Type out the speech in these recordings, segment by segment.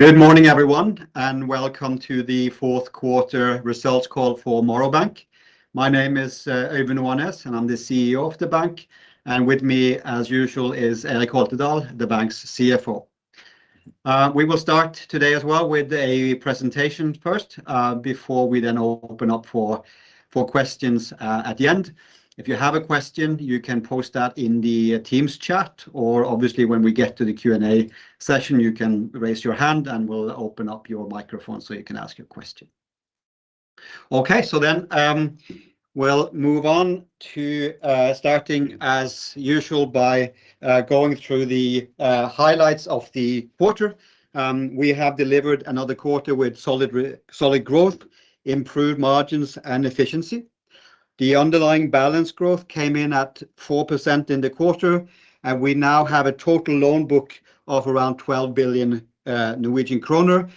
Good morning, everyone, and welcome to the fourth quarter results call for Morrow Bank. My name is Øyvind Oanes, and I'm the CEO of the bank. With me, as usual, is Eirik Holtedahl, the bank's CFO. We will start today as well with a presentation first, before we then open up for questions at the end. If you have a question, you can post that in the Teams chat, or obviously, when we get to the Q&A session, you can raise your hand, and we'll open up your microphone so you can ask your question. Okay, so then we'll move on to starting as usual by going through the highlights of the quarter. We have delivered another quarter with solid growth, improved margins, and efficiency. The underlying balance growth came in at 4% in the quarter, and we now have a total loan book of around 12 billion Norwegian kroner.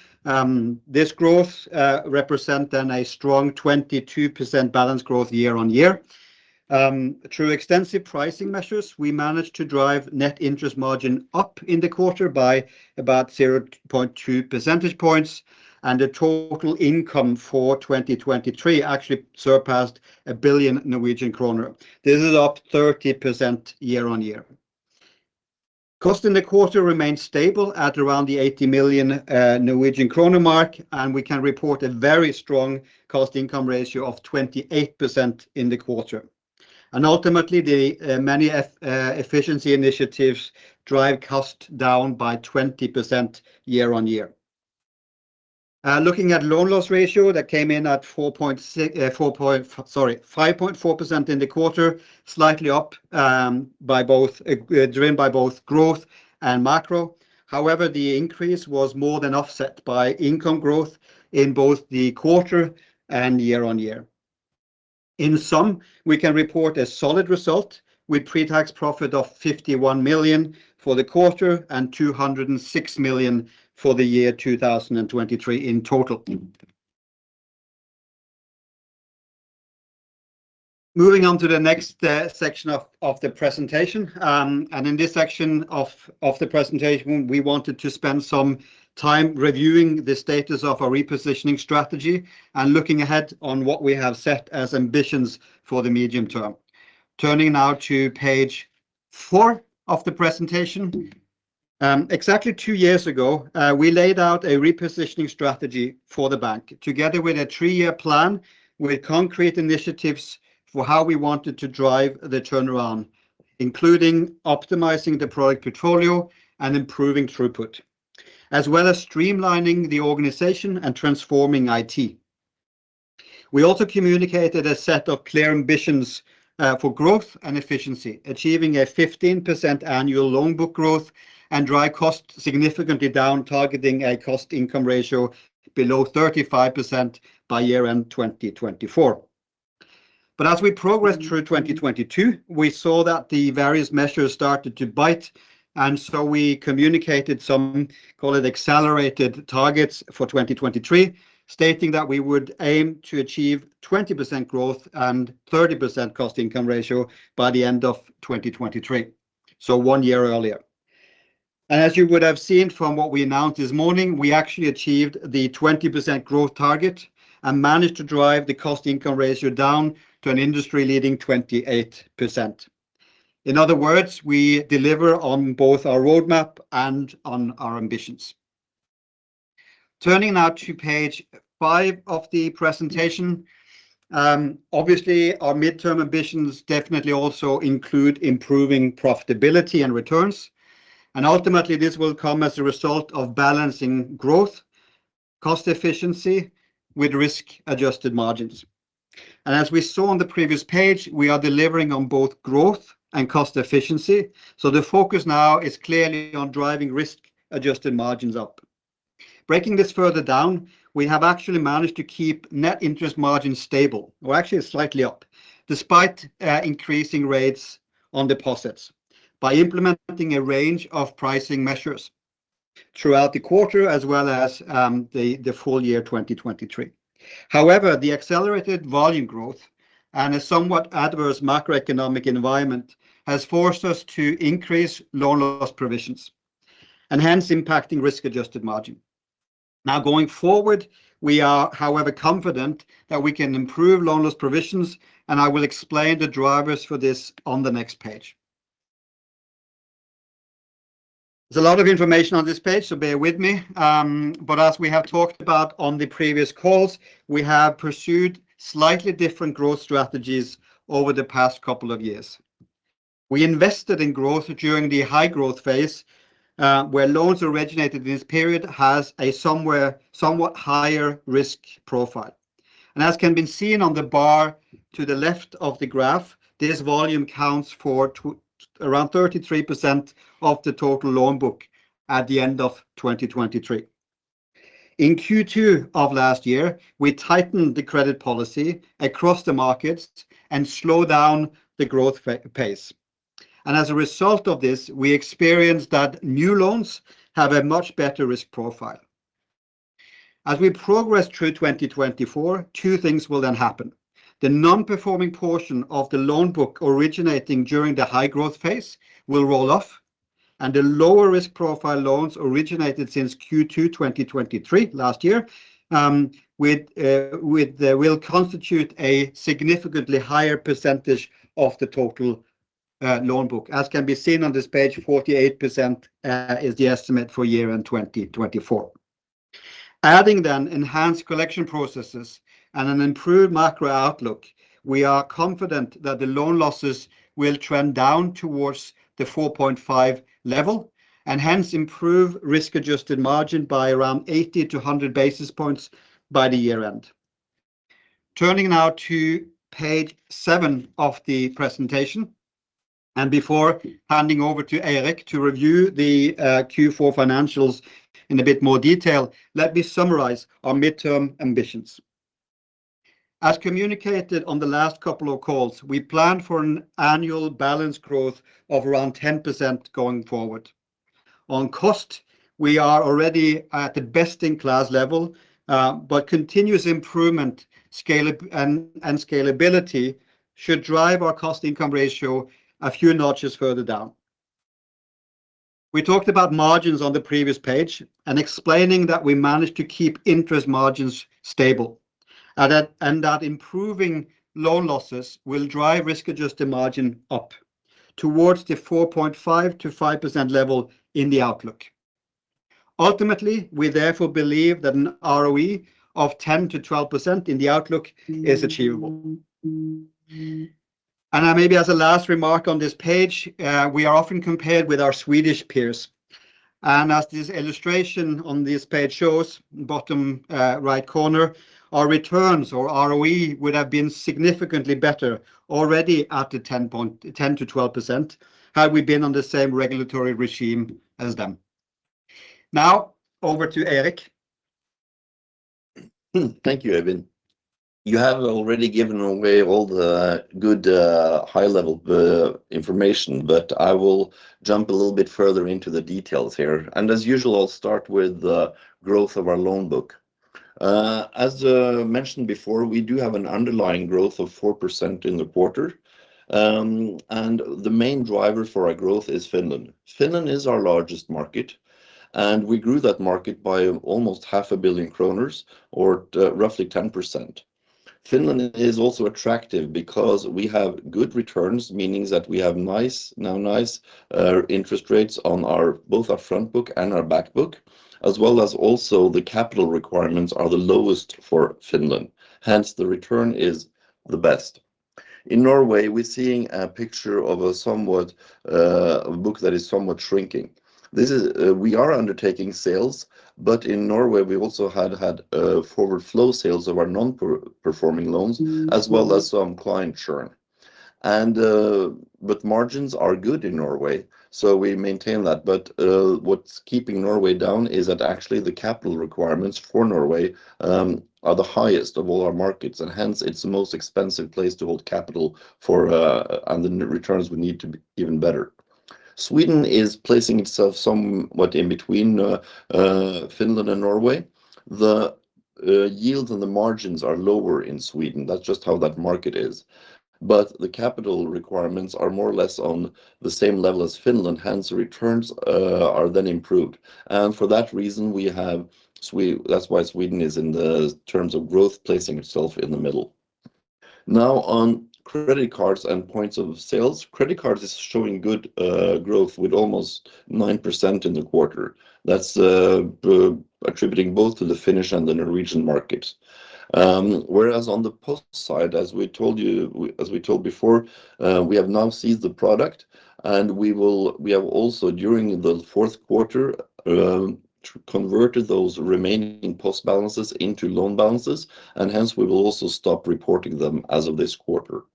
This growth represent then a strong 22% balance growth year-on-year. Through extensive pricing measures, we managed to drive net interest margin up in the quarter by about 0.2 percentage points, and the total income for 2023 actually surpassed 1 billion Norwegian kroner. This is up 30% year-on-year. Cost in the quarter remains stable at around the 80 million Norwegian kroner mark, and we can report a very strong cost-income ratio of 28% in the quarter. Ultimately, the many efficiency initiatives drive cost down by 20% year-on-year. Looking at loan loss ratio, that came in at four point... Sorry, 5.4% in the quarter, slightly up, by both, driven by both growth and macro. However, the increase was more than offset by income growth in both the quarter and year-on-year. In sum, we can report a solid result with pre-tax profit of 51 million for the quarter and 206 million for the year 2023 in total. Moving on to the next section of the presentation, and in this section of the presentation, we wanted to spend some time reviewing the status of our repositioning strategy and looking ahead on what we have set as ambitions for the medium term. Turning now to page four of the presentation. Exactly two years ago, we laid out a repositioning strategy for the bank, together with a three-year plan with concrete initiatives for how we wanted to drive the turnaround, including optimizing the product portfolio and improving throughput, as well as streamlining the organization and transforming IT. We also communicated a set of clear ambitions for growth and efficiency, achieving a 15% annual loan book growth and drive costs significantly down, targeting a cost-income ratio below 35% by year-end 2024. But as we progressed through 2022, we saw that the various measures started to bite, and so we communicated some, call it, accelerated targets for 2023, stating that we would aim to achieve 20% growth and 30% cost-income ratio by the end of 2023, so one year earlier. As you would have seen from what we announced this morning, we actually achieved the 20% growth target and managed to drive the cost-income ratio down to an industry-leading 28%. In other words, we deliver on both our roadmap and on our ambitions. Turning now to page five of the presentation. Obviously, our midterm ambitions definitely also include improving profitability and returns, and ultimately, this will come as a result of balancing growth, cost efficiency, with risk-adjusted margins. As we saw on the previous page, we are delivering on both growth and cost efficiency, so the focus now is clearly on driving risk-adjusted margins up. Breaking this further down, we have actually managed to keep net interest margins stable, well, actually slightly up, despite increasing rates on deposits, by implementing a range of pricing measures throughout the quarter, as well as the full year 2023. However, the accelerated volume growth and a somewhat adverse macroeconomic environment has forced us to increase loan loss provisions, and hence impacting risk-adjusted margin. Now, going forward, we are, however, confident that we can improve loan loss provisions, and I will explain the drivers for this on the next page. There's a lot of information on this page, so bear with me. But as we have talked about on the previous calls, we have pursued slightly different growth strategies over the past couple of years. We invested in growth during the high-growth phase, where loans originated in this period has a somewhat higher risk profile. As can be seen on the bar to the left of the graph, this volume accounts for around 33% of the total loan book at the end of 2023. In Q2 of last year, we tightened the credit policy across the markets and slowed down the growth pace. As a result of this, we experienced that new loans have a much better risk profile. As we progress through 2024, two things will then happen the non-performing portion of the loan book originating during the high growth phase will roll off, and the lower risk profile loans originated since Q2 2023, last year, will constitute a significantly higher percentage of the total loan book. As can be seen on this page, 48% is the estimate for year-end 2024. Adding then enhanced collection processes and an improved macro outlook, we are confident that the loan losses will trend down towards the 4.5% level, and hence improve risk-adjusted margin by around 80-100 basis points by the year end. Turning now to page seven of the presentation, and before handing over to Eirik to review the Q4 financials in a bit more detail, let me summarize our midterm ambitions. As communicated on the last couple of calls, we plan for an annual balance growth of around 10% going forward. On cost, we are already at the best-in-class level, but continuous improvement, scale and scalability should drive our cost-income ratio a few notches further down. We talked about margins on the previous page and explaining that we managed to keep interest margins stable, and that, and that improving loan losses will drive risk-adjusted margin up towards the 4.5%-5% level in the outlook. Ultimately, we therefore believe that an ROE of 10%-12% in the outlook is achievable. And now maybe as a last remark on this page, we are often compared with our Swedish peers. And as this illustration on this page shows, bottom, right corner, our returns or ROE would have been significantly better already at the 10%-12%, had we been on the same regulatory regime as them. Now over to Eirik. Thank you, Øyvind. You have already given away all the good, high-level, information, but I will jump a little bit further into the details here. As usual, I'll start with the growth of our loan book. As mentioned before, we do have an underlying growth of 4% in the quarter. And the main driver for our growth is Finland. Finland is our largest market, and we grew that market by almost 500 million kroner, or roughly 10%. Finland is also attractive because we have good returns, meaning that we have nice, now nice, interest rates on our both our front book and our back book, as well as also the capital requirements are the lowest for Finland, hence, the return is the best. In Norway, we're seeing a picture of a somewhat book that is somewhat shrinking. This is, we are undertaking sales, but in Norway, we also had forward flow sales of our non-performing loans, as well as some client churn. But margins are good in Norway, so we maintain that. But, what's keeping Norway down is that actually the capital requirements for Norway are the highest of all our markets, and hence, it's the most expensive place to hold capital for, and the returns would need to be even better. Sweden is placing itself somewhat in between Finland and Norway. The yield and the margins are lower in Sweden. That's just how that market is. But the capital requirements are more or less on the same level as Finland, hence, the returns are then improved. For that reason, we have Sweden, that's why Sweden is, in the terms of growth, placing itself in the middle. Now on credit cards and points of sales. Credit cards is showing good growth with almost 9% in the quarter. That's attributing both to the Finnish and the Norwegian markets. Whereas on the POS side, as we told you, as we told before, we have now ceased the product, and we have also, during the fourth quarter, converted those remaining POS balances into loan balances, and hence we will also stop reporting them as of this quarter.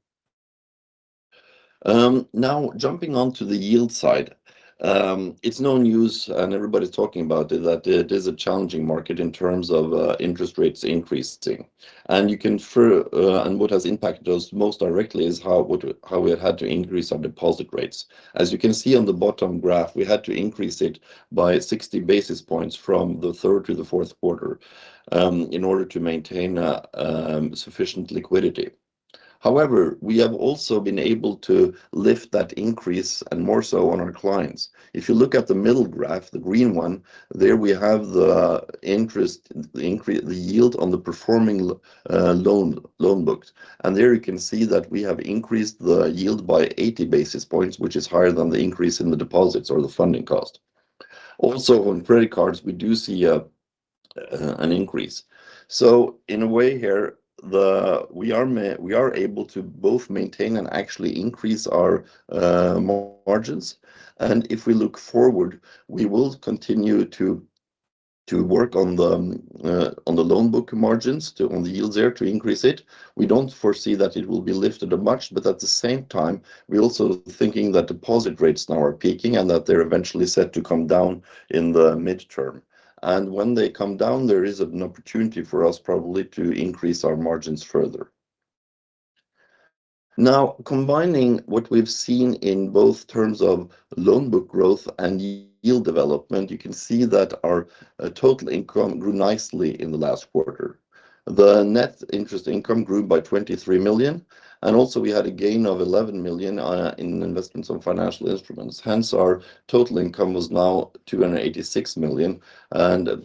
Now jumping on to the yield side. It's no news, and everybody's talking about it, that it is a challenging market in terms of interest rates increasing. What has impacted us most directly is how we had to increase our deposit rates. As you can see on the bottom graph, we had to increase it by 60 basis points from the third to the fourth quarter in order to maintain sufficient liquidity. However, we have also been able to lift that increase and more so on our clients. If you look at the middle graph, the green one, there we have the interest, the yield on the performing loan books. And there you can see that we have increased the yield by 80 basis points, which is higher than the increase in the deposits or the funding cost. Also, on credit cards, we do see an increase. So in a way here, we are able to both maintain and actually increase our margins. If we look forward, we will continue to work on the loan book margins on the yields there, to increase it. We don't foresee that it will be lifted much, but at the same time, we're also thinking that deposit rates now are peaking and that they're eventually set to come down in the midterm. When they come down, there is an opportunity for us probably to increase our margins further. Now, combining what we've seen in both terms of loan book growth and yield development, you can see that our total income grew nicely in the last quarter. The net interest income grew by 23 million, and also we had a gain of 11 million in investments on financial instruments. Hence, our total income was now 286 million,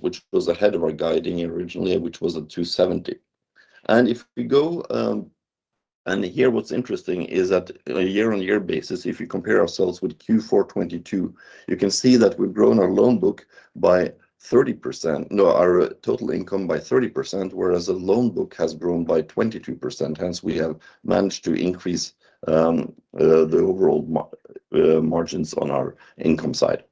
which was ahead of our guiding originally, which was at 270 million. And if we go, and here, what's interesting is that in a year-on-year basis, if you compare ourselves with Q4 2022, you can see that we've grown our loan book by 30%-- no, our total income by 30%, whereas the loan book has grown by 22%. Hence, we have managed to increase the overall margins on our income side.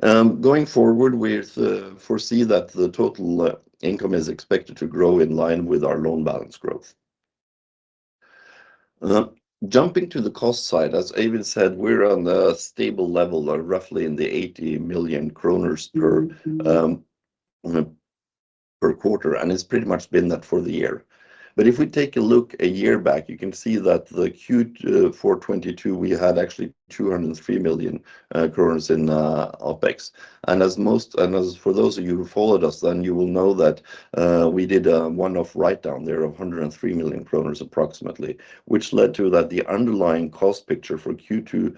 Going forward, we foresee that the total income is expected to grow in line with our loan balance growth. Jumping to the cost side, as Øyvind said, we're on a stable level of roughly 80 million kroner per quarter, and it's pretty much been that for the year. But if we take a look a year back, you can see that the Q4 2022, we had actually 203 million in OpEx. And as for those of you who followed us, then you will know that we did a one-off write-down there of approximately 103 million kroner, which led to that the underlying cost picture for Q4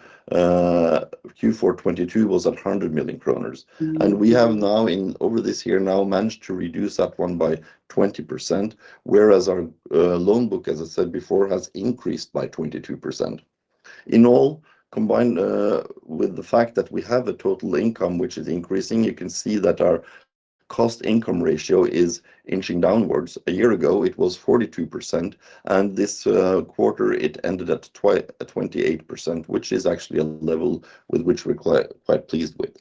2022 was 100 million kroner. And we have now, over this year, managed to reduce that one by 20%, whereas our loan book, as I said before, has increased by 22%. In all, combined, with the fact that we have a total income, which is increasing, you can see that our cost-income ratio is inching downwards. A year ago, it was 42%, and this quarter, it ended at 28%, which is actually a level with which we're quite, quite pleased with.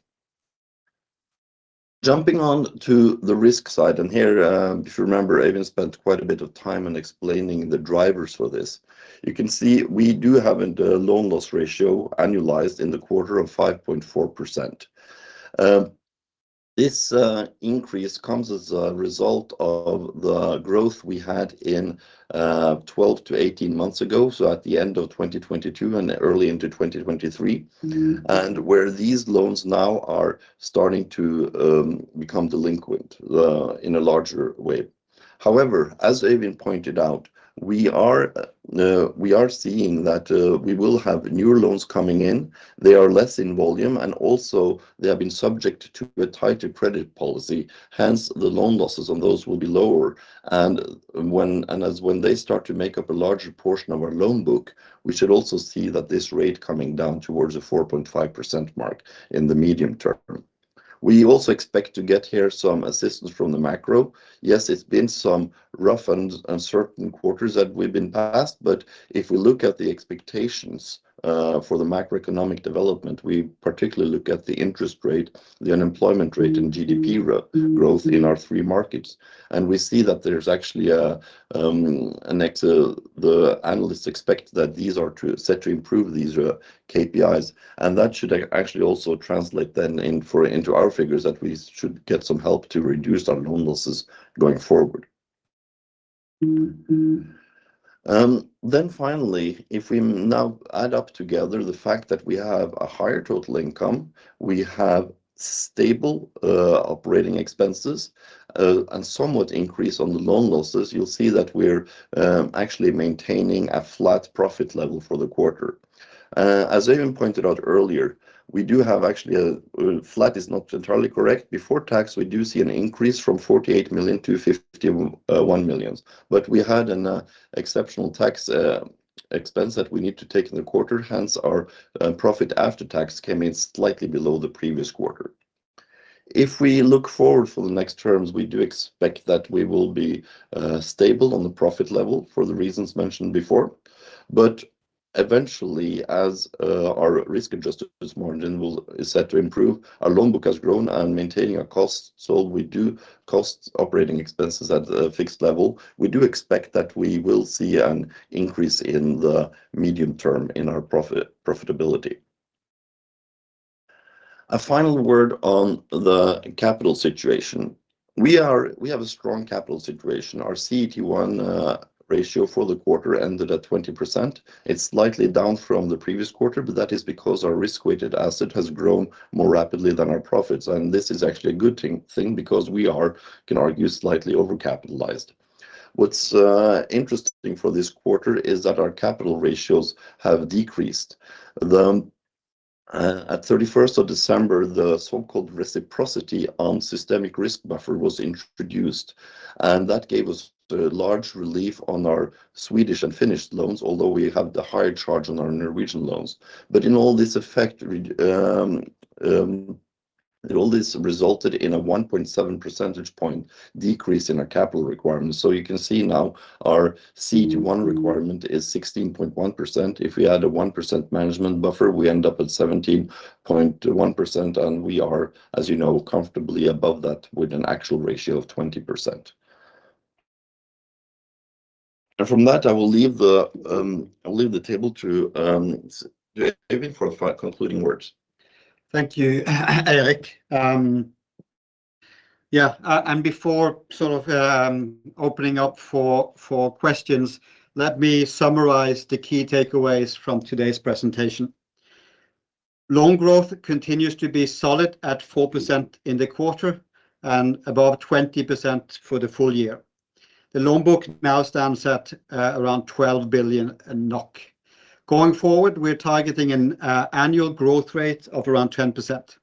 Jumping on to the risk side, and here, if you remember, Øyvind spent quite a bit of time in explaining the drivers for this. You can see we do have a loan loss ratio annualized in the quarter of 5.4%. This increase comes as a result of the growth we had in 12-18 months ago, so at the end of 2022 and early into 2023, and where these loans now are starting to become delinquent in a larger way. However, as Øyvind pointed out, we are, we are seeing that, we will have newer loans coming in. They are less in volume, and also they have been subject to a tighter credit policy. Hence, the loan losses on those will be lower, and when-- and as when they start to make up a larger portion of our loan book, we should also see that this rate coming down towards the 4.5% mark in the medium term. We also expect to get here some assistance from the macro. Yes, it's been some rough and uncertain quarters that we've been past, but if we look at the expectations for the macroeconomic development, we particularly look at the interest rate, the unemployment rate, and GDP growth in our three markets, and we see that there's actually the analysts expect that these are set to improve these KPIs, and that should actually also translate then into our figures, that we should get some help to reduce our loan losses going forward. Then finally, if we now add up together the fact that we have a higher total income, we have stable operating expenses, and somewhat increase on the loan losses, you'll see that we're actually maintaining a flat profit level for the quarter. As Øyvind pointed out earlier, we do have actually a... Flat is not entirely correct. Before tax, we do see an increase from 48 million to 51 million, but we had an exceptional tax expense that we need to take in the quarter. Hence, our profit after tax came in slightly below the previous quarter. If we look forward for the next terms, we do expect that we will be stable on the profit level for the reasons mentioned before. But eventually, as our risk-adjusted performance is set to improve, our loan book has grown and maintaining our cost, so we do cost operating expenses at a fixed level. We do expect that we will see an increase in the medium term in our profitability. A final word on the capital situation. We have a strong capital situation. Our CET1 ratio for the quarter ended at 20%. It's slightly down from the previous quarter, but that is because our risk-weighted asset has grown more rapidly than our profits, and this is actually a good thing because we are, you can argue, slightly overcapitalized. What's interesting for this quarter is that our capital ratios have decreased. The at thirty-first of December, the so-called requirement on Systemic Risk Buffer was introduced, and that gave us large relief on our Swedish and Finnish loans, although we have the higher charge on our Norwegian loans. But in all this effect, all this resulted in a 1.7 percentage point decrease in our capital requirement. So you can see now our CET1 requirement is 16.1%. If we add a 1% management buffer, we end up at 17.1%, and we are, as you know, comfortably above that with an actual ratio of 20%. And from that, I will leave the table to Øyvind for concluding words. Thank you, Eirik. And before sort of opening up for questions, let me summarize the key takeaways from today's presentation. Loan growth continues to be solid at 4% in the quarter and above 20% for the full year. The loan book now stands at around 12 billion NOK. Going forward, we're targeting an annual growth rate of around 10%.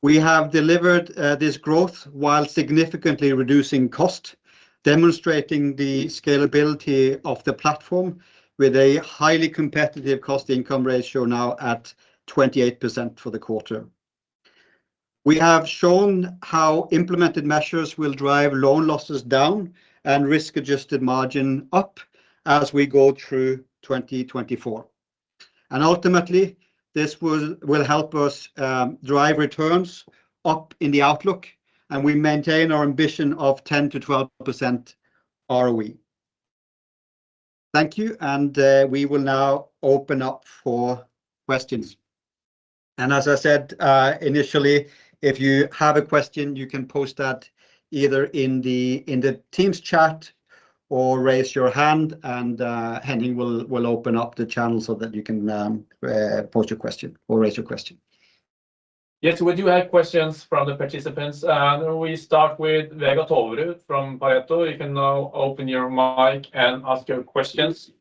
We have delivered this growth while significantly reducing cost, demonstrating the scalability of the platform with a highly competitive cost-income ratio, now at 28% for the quarter. We have shown how implemented measures will drive loan losses down and risk-adjusted margin up as we go through 2024, and ultimately, this will help us drive returns up in the outlook, and we maintain our ambition of 10%-12% ROE. Thank you, and we will now open up for questions. And as I said initially, if you have a question, you can post that either in the Teams chat or raise your hand, and Henning will open up the channel so that you can post your question or raise your question. Yes, we do have questions from the participants. We start with Vegard Toverud from Pareto. You can now open your mic and ask your questions.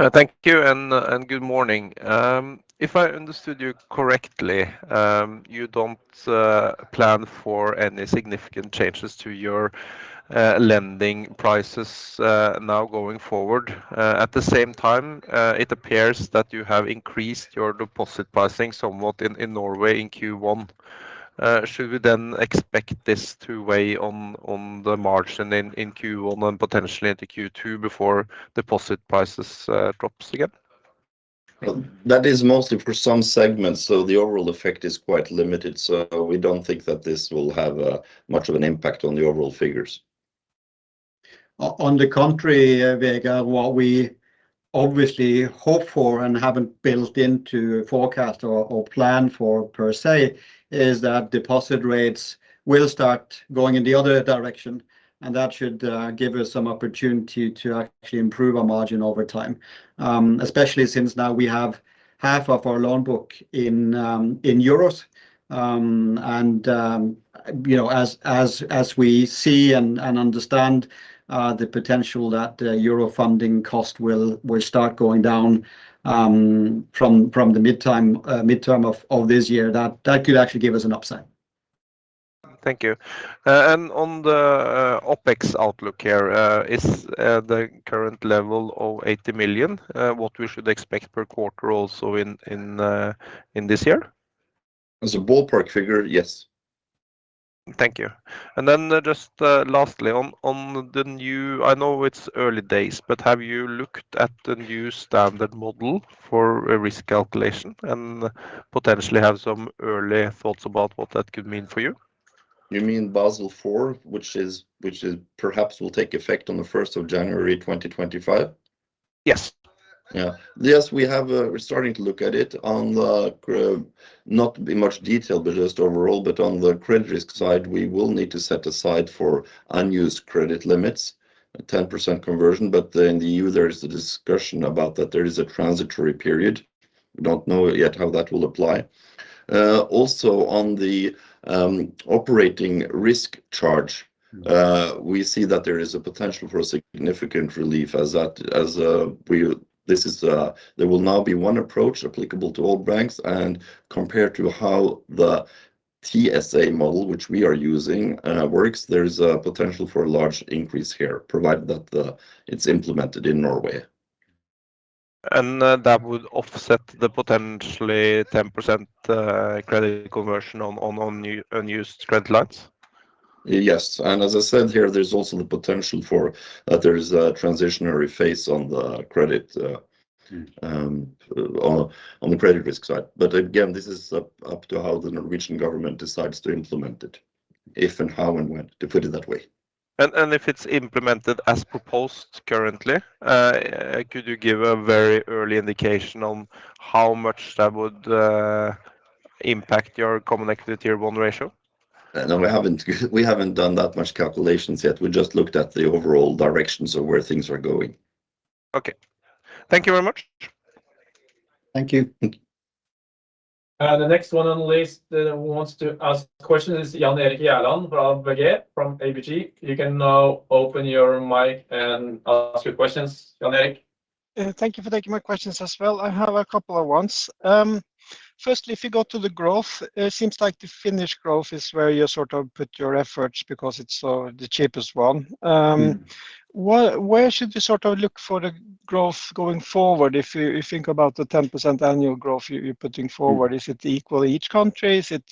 Thank you, and good morning. If I understood you correctly, you don't plan for any significant changes to your lending prices now going forward. At the same time, it appears that you have increased your deposit pricing somewhat in Norway in Q1. Should we then expect this to weigh on the margin in Q1 and potentially into Q2 before deposit prices drops again? That is mostly for some segments, so the overall effect is quite limited. So we don't think that this will have much of an impact on the overall figures. On the contrary, Vegard, what we obviously hope for and haven't built into forecast or plan for per se, is that deposit rates will start going in the other direction, and that should give us some opportunity to actually improve our margin over time. Especially since now we have half of our loan book in euros. And you know, as we see and understand, the potential that euro funding cost will start going down, from the midterm of this year, that could actually give us an upside. Thank you. On the OpEx outlook here, is the current level of 80 million what we should expect per quarter also in this year? As a ballpark figure, yes. Thank you. And then just, lastly, on the new... I know it's early days, but have you looked at the new standard model for a risk calculation and potentially have some early thoughts about what that could mean for you? You mean Basel IV, which is, which is perhaps will take effect on the first of January 2025? Yes. Yeah. Yes, we have, we're starting to look at it on the ground, not in much detail, but just overall. But on the credit risk side, we will need to set aside for unused credit limits, a 10% conversion. But in the EU, there is a discussion about that. There is a transitory period. We don't know yet how that will apply. Also, on the, operating risk charge- Mm. We see that there is a potential for a significant relief as that. This is, there will now be one approach applicable to all banks, and compared to how the TSA model, which we are using, works, there is a potential for a large increase here, provided that it's implemented in Norway. And, that would offset the potentially 10% credit conversion on new unused credit lines? Yes, and as I said, here, there's also the potential for, there is a transitional phase on the credit- Mm... on the credit risk side. But again, this is up to how the Norwegian government decides to implement it, if and how and when, to put it that way. And if it's implemented as proposed currently, could you give a very early indication on how much that would impact your Common Equity Tier 1 ratio? No, we haven't done that much calculations yet. We just looked at the overall directions of where things are going. Okay. Thank you very much. Thank you. The next one on the list that wants to ask questions is Jan Erik Gjerland from ABG. You can now open your mic and ask your questions, Jan Erik. Thank you for taking my questions as well. I have a couple at once. Firstly, if you go to the growth, it seems like the Finnish growth is where you sort of put your efforts because it's the cheapest one. Mm. Where should you sort of look for the growth going forward? If you think about the 10% annual growth you're putting forward, is it equal each country? Is it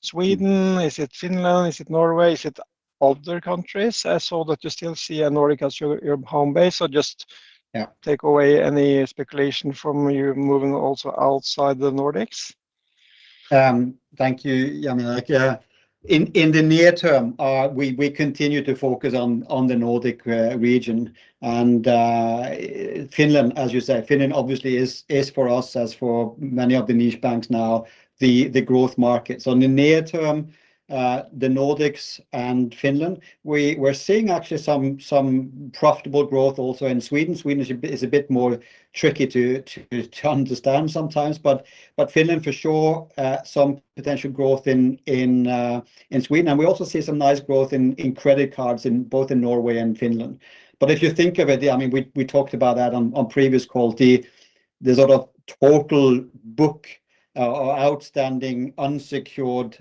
Sweden? Is it Finland? Is it Norway? Is it other countries as so that you still see a Nordic as your home base, or just- Yeah... take away any speculation from you moving also outside the Nordics?... Thank you, Jan Erik. Yeah, in the near term, we continue to focus on the Nordic region. And Finland, as you said, Finland obviously is for us, as for many of the niche banks now, the growth market. So in the near term, the Nordics and Finland, we're seeing actually some profitable growth also in Sweden. Sweden is a bit more tricky to understand sometimes, but Finland for sure, some potential growth in Sweden. And we also see some nice growth in credit cards in both Norway and Finland. But if you think of it, yeah, I mean, we, we talked about that on, on previous call, the, the sort of total book or outstanding unsecured,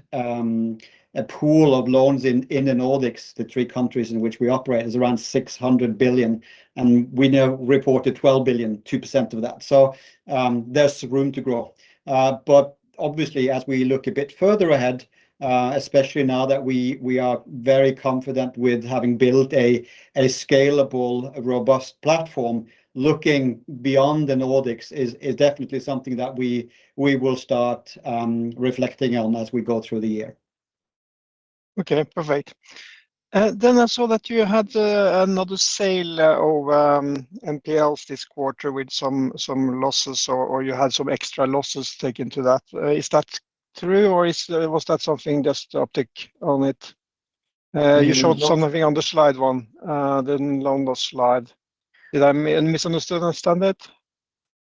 a pool of loans in, in the Nordics, the three countries in which we operate, is around 600 billion, and we now reported 12 billion, 2% of that. So, there's room to grow. But obviously, as we look a bit further ahead, especially now that we, we are very confident with having built a, a scalable, robust platform, looking beyond the Nordics is, is definitely something that we, we will start, reflecting on as we go through the year. Okay, perfect. Then I saw that you had another sale of NPLs this quarter with some losses, or you had some extra losses taken to that. Is that true, or was that something just optics on it? Mm. You showed something on the slide one, the loan loss slide. Did I misunderstand it?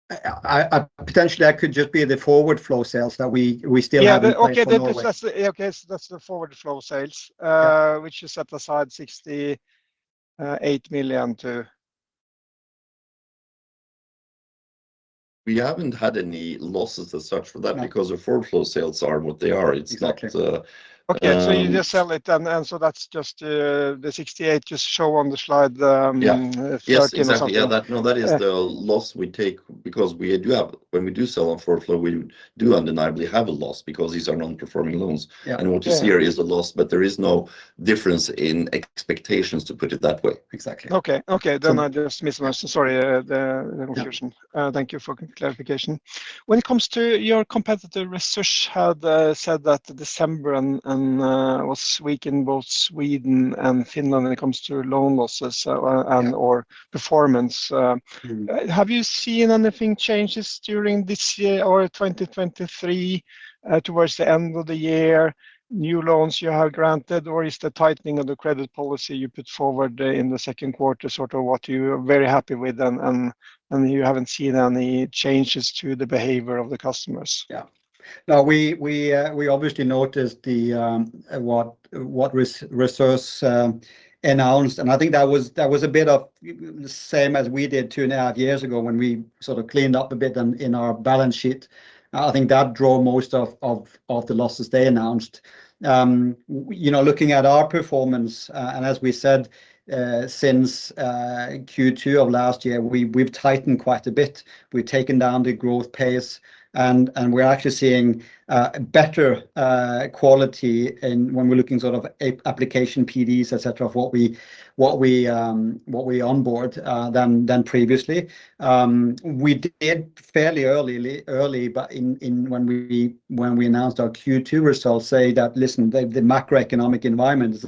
Potentially that could just be the forward flow sales that we still have- Yeah. In Norway. Okay, so that's the forward flow sales- Yeah... which you set aside 68 million to. We haven't had any losses as such for that- Right... because the forward flow sales are what they are. Okay. It's not. Okay, so you just sell it, and, and so that's just, the 68 million just show on the slide- Yeah... yes, or something. Yes, exactly. Yeah, that- Yeah... no, that is the loss we take because we do have, when we do sell on forward flow, we do undeniably have a loss because these are non-performing loans. Yeah. Yeah. What you see here is a loss, but there is no difference in expectations, to put it that way. Exactly. Okay, okay. So- Then I just misunderstood. Sorry, the confusion. Yeah. Thank you for clarification. When it comes to your competitor, Resurs had said that December and was weak in both Sweden and Finland when it comes to loan losses, and- Yeah... or performance. Mm. Have you seen any changes during this year or 2023, towards the end of the year, new loans you have granted, or is the tightening of the credit policy you put forward in the second quarter sort of what you are very happy with, and, and, and you haven't seen any changes to the behavior of the customers? Yeah. No, we obviously noticed what Resurs announced, and I think that was a bit of the same as we did 2.5 years ago when we sort of cleaned up a bit in our balance sheet. I think that drove most of the losses they announced. You know, looking at our performance, and as we said, since Q2 of last year, we've tightened quite a bit. We've taken down the growth pace, and we're actually seeing better quality in when we're looking sort of application PDs, et cetera, of what we onboard than previously. We did fairly early, but in... When we announced our Q2 results, say that, "Listen, the macroeconomic environment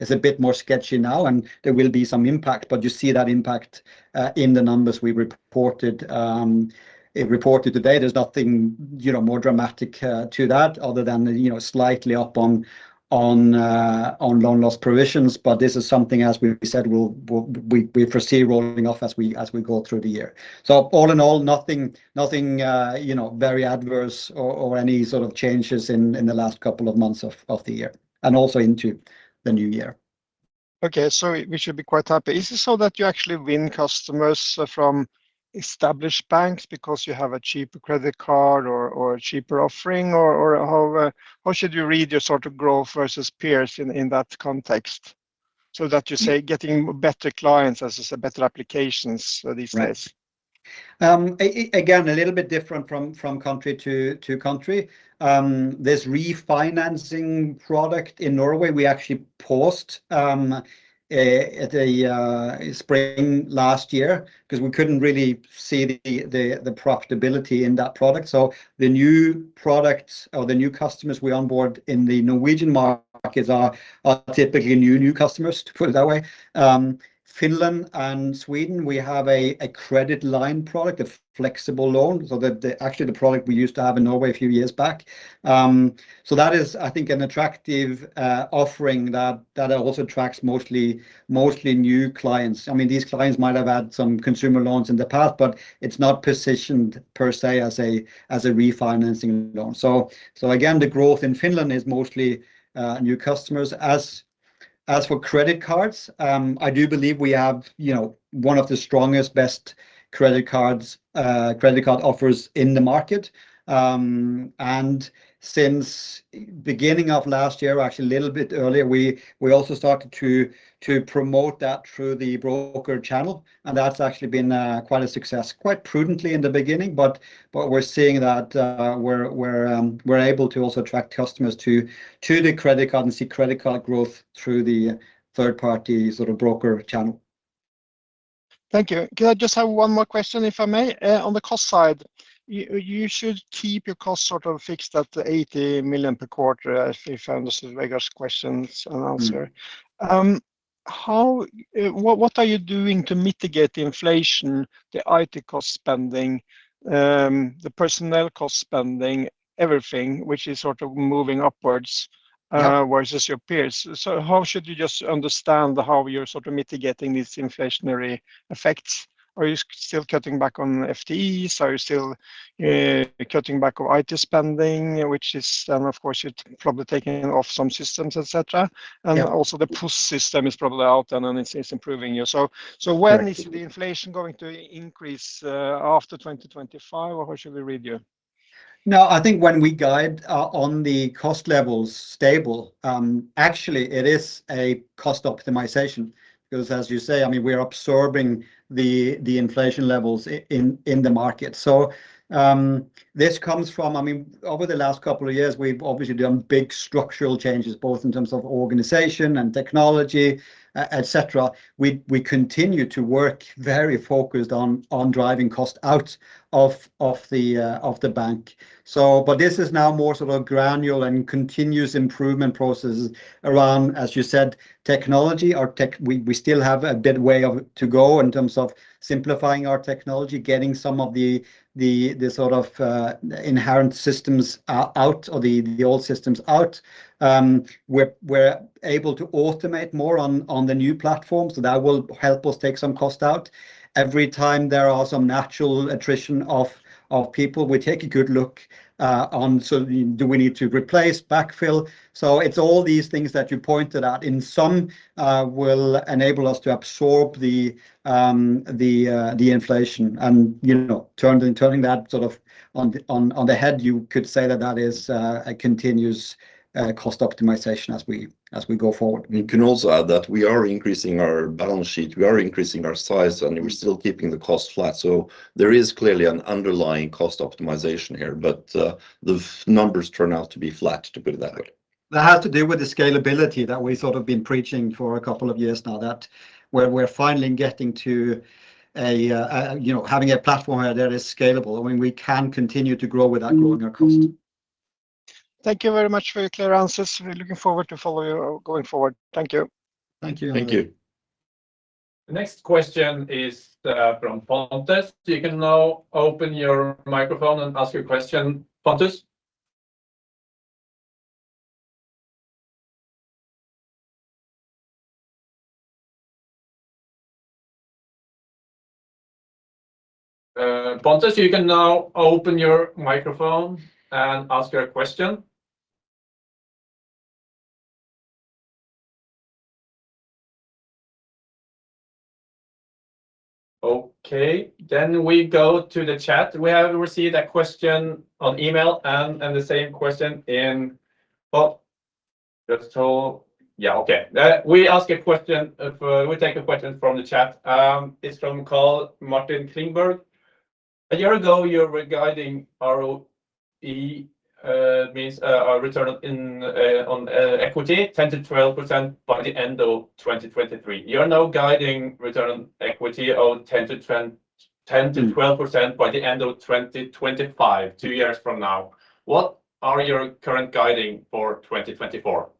is a bit more sketchy now, and there will be some impact," but you see that impact in the numbers we reported today. There's nothing, you know, more dramatic to that other than, you know, slightly up on loan loss provisions. But this is something, as we said, we foresee rolling off as we go through the year. So all in all, nothing, you know, very adverse or any sort of changes in the last couple of months of the year and also into the new year. Okay, so we should be quite happy. Is it so that you actually win customers from established banks because you have a cheaper credit card or, or a cheaper offering? Or, or how, how should you read your sort of growth versus peers in, in that context, so that you say getting better clients, as you said, better applications these days? Right. Again, a little bit different from country to country. This refinancing product in Norway, we actually paused at the spring last year because we couldn't really see the profitability in that product. So the new products or the new customers we onboard in the Norwegian markets are typically new customers, to put it that way. Finland and Sweden, we have a credit line product, a flexible loan. Actually, the product we used to have in Norway a few years back. So that is, I think, an attractive offering that also attracts mostly new clients. I mean, these clients might have had some consumer loans in the past, but it's not positioned per se as a refinancing loan. So again, the growth in Finland is mostly new customers. As for credit cards, I do believe we have, you know, one of the strongest, best credit cards, credit card offers in the market. And since beginning of last year, actually a little bit earlier, we also started to promote that through the broker channel, and that's actually been quite a success. Quite prudently in the beginning, but we're seeing that we're able to also attract customers to the credit card and see credit card growth through the third-party sort of broker channel.... Thank you. Can I just have one more question, if I may? On the cost side, you should keep your costs sort of fixed at 80 million per quarter, if I understand Vegard's questions and answer. How what are you doing to mitigate the inflation, the IT cost spending, the personnel cost spending, everything which is sort of moving upwards versus your peers? So how should you just understand how you're sort of mitigating these inflationary effects? Are you still cutting back on FTEs? Are you still cutting back on IT spending, which is then, of course, you're probably taking off some systems, et cetera. Yeah. Also the POS system is probably out, and then it's improving you. So when is the inflation going to increase after 2025, or how should we read you? No, I think when we guide on the cost levels stable, actually, it is a cost optimization. Because as you say, I mean, we're absorbing the inflation levels in the market. So, this comes from... I mean, over the last couple of years, we've obviously done big structural changes, both in terms of organization and technology, et cetera. We continue to work very focused on driving cost out of the bank. So but this is now more sort of a granular and continuous improvement process around, as you said, technology or tech. We still have a good way to go in terms of simplifying our technology, getting some of the sort of inherent systems out, or the old systems out. We're able to automate more on the new platform, so that will help us take some cost out. Every time there are some natural attrition of people, we take a good look on so do we need to replace, backfill? So it's all these things that you pointed out, and some will enable us to absorb the inflation and, you know, turning that sort of on the head, you could say that that is a continuous cost optimization as we go forward. We can also add that we are increasing our balance sheet, we are increasing our size, and we're still keeping the cost flat. So there is clearly an underlying cost optimization here, but the numbers turn out to be flat, to put it that way. That has to do with the scalability that we sort of been preaching for a couple of years now, that where we're finally getting to a, you know, having a platform that is scalable, when we can continue to grow without growing our cost. Thank you very much for your clear answers. We're looking forward to follow you going forward. Thank you. Thank you. Thank you. The next question is from Pontus. You can now open your microphone and ask your question. Pontus? Pontus, you can now open your microphone and ask your question. Okay, then we go to the chat. We have received a question on email. We take a question from the chat. It's from Carl Martin Klingberg. A year ago, you were guiding ROE, means our return on equity, 10%-12% by the end of 2023. You're now guiding return on equity of 10%-12% by the end of 2025, two years from now. What are your current guiding for 2024?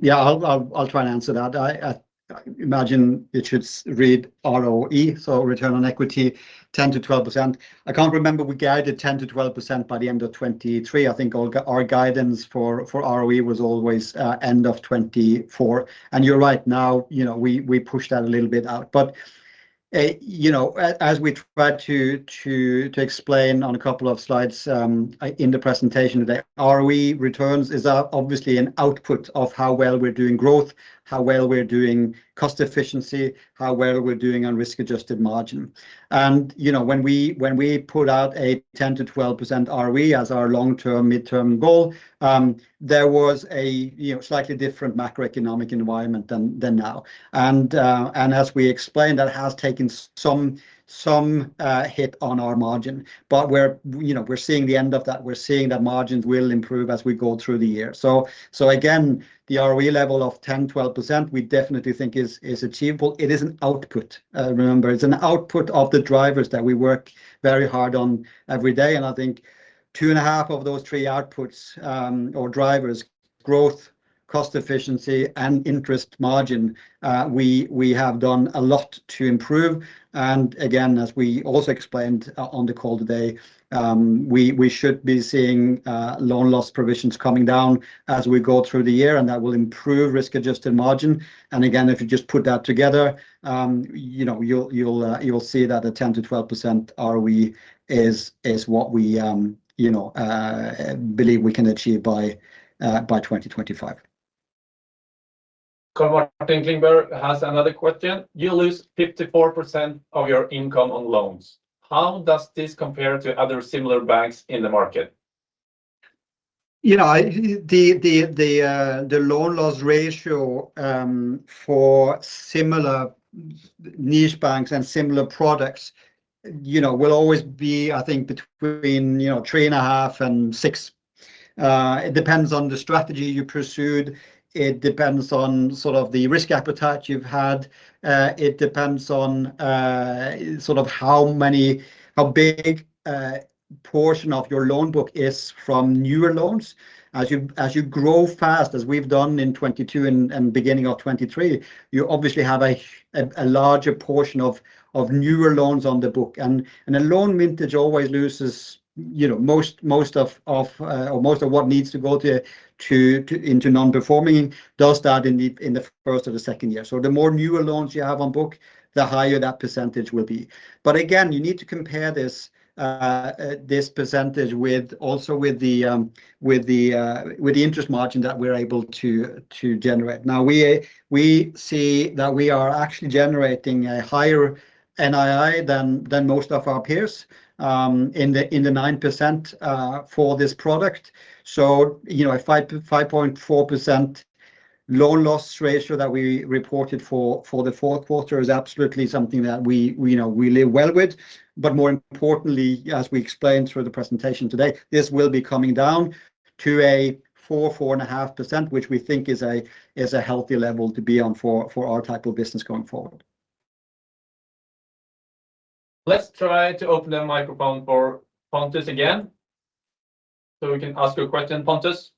Yeah, I'll try and answer that. I imagine it should read ROE, so return on equity, 10%-12%. I can't remember we guided 10%-12% by the end of 2023. I think our guidance for ROE was always end of 2024. And you're right, now, you know, we pushed that a little bit out. But, you know, as we tried to explain on a couple of slides in the presentation today, ROE returns is obviously an output of how well we're doing growth, how well we're doing cost efficiency, how well we're doing on risk-adjusted margin. And, you know, when we put out a 10%-12% ROE as our long-term, midterm goal, there was a, you know, slightly different macroeconomic environment than now. And as we explained, that has taken some hit on our margin. But we're, you know, we're seeing the end of that. We're seeing that margins will improve as we go through the year. So again, the ROE level of 10%-12%, we definitely think is achievable. It is an output, remember. It's an output of the drivers that we work very hard on every day, and I think 2.5 of those 3 outputs or drivers, growth, cost efficiency, and interest margin, we have done a lot to improve. And again, as we also explained on the call today, we should be seeing loan loss provisions coming down as we go through the year, and that will improve risk-adjusted margin. And again, if you just put that together, you know, you'll see that the 10%-12% ROE is what we, you know, believe we can achieve by 2025. Carl-Martin Klingberg has another question: You lose 54% of your income on loans. How does this compare to other similar banks in the market? You know, the loan loss ratio for similar niche banks and similar products you know will always be, I think, between, you know, 3.5% and 6%. It depends on the strategy you pursued, it depends on sort of the risk appetite you've had, it depends on sort of how big a portion of your loan book is from newer loans. As you grow fast, as we've done in 2022 and beginning of 2023, you obviously have a larger portion of newer loans on the book. And a loan vintage always loses, you know, most of what needs to go into non-performing does that in the first or the second year. So the more newer loans you have on book, the higher that percentage will be. But again, you need to compare this, this percentage with also with the, with the, with the interest margin that we're able to, to generate. Now, we, we see that we are actually generating a higher NII than, than most of our peers, in the, in the 9%, for this product. So, you know, a 5.4% loan loss ratio that we reported for, for the fourth quarter is absolutely something that we, we know we live well with. But more importantly, as we explained through the presentation today, this will be coming down to a 4%-4.5%, which we think is a, is a healthy level to be on for, for our type of business going forward. Let's try to open the microphone for Pontus again, so we can ask you a question, Pontus.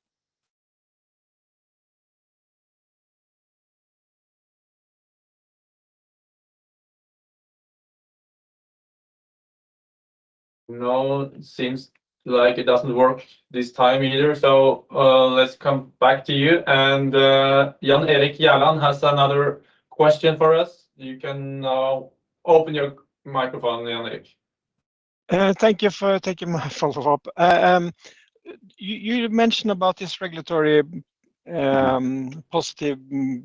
No, seems like it doesn't work this time either, so, let's come back to you, and, Jan Erik Gjerland has another question for us. You can now open your microphone, Jan Erik. Thank you for taking my follow-up. You mentioned about this regulatory positive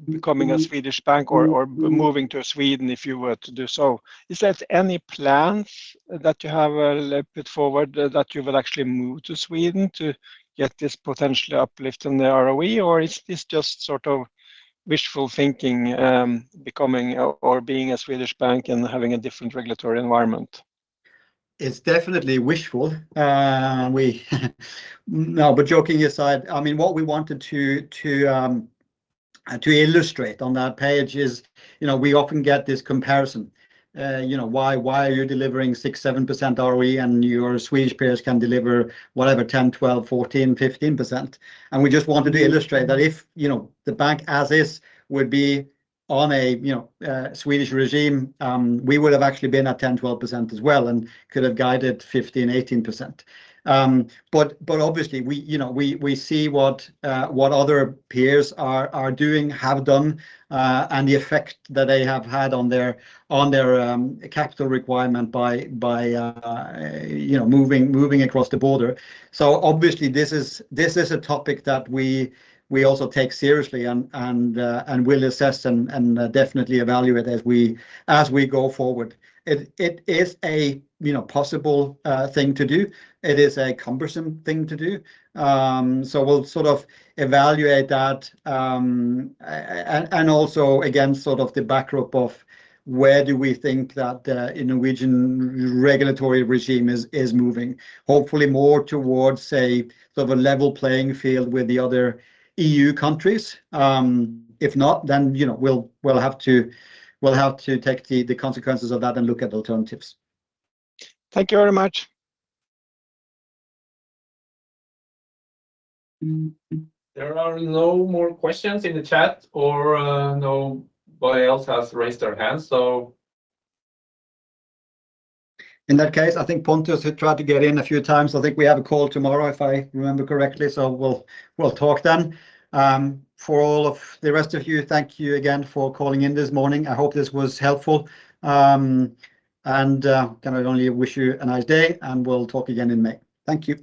becoming a Swedish bank or moving to Sweden, if you were to do so. Is there any plans that you have put forward that you will actually move to Sweden to get this potentially uplift in the ROE? Or is this just sort of wishful thinking, becoming or being a Swedish bank and having a different regulatory environment? It's definitely wishful. We, no, but joking aside, I mean, what we wanted to illustrate on that page is, you know, we often get this comparison, you know, "Why are you delivering 6%, 7% ROE, and your Swedish peers can deliver, whatever, 10%, 12%, 14%, 15%?" And we just wanted to illustrate that if, you know, the bank, as is, would be on a, you know, Swedish regime, we would have actually been at 10%, 12% as well and could have guided 15%, 18%. But obviously, we, you know, we see what other peers are doing, have done, and the effect that they have had on their capital requirement by, you know, moving across the border. So obviously, this is a topic that we also take seriously and will assess and definitely evaluate as we go forward. It is a, you know, possible thing to do. It is a cumbersome thing to do. So we'll sort of evaluate that, and also, again, sort of the backdrop of where do we think that the Norwegian regulatory regime is moving? Hopefully more towards, say, sort of a level playing field with the other EU countries. If not, then, you know, we'll have to take the consequences of that and look at alternatives. Thank you very much. There are no more questions in the chat, or nobody else has raised their hand, so... In that case, I think Pontus had tried to get in a few times. I think we have a call tomorrow, if I remember correctly, so we'll talk then. For all of the rest of you, thank you again for calling in this morning. I hope this was helpful. I can only wish you a nice day, and we'll talk again in May. Thank you.